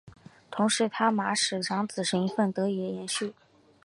同时他玛使长子名份得以延续。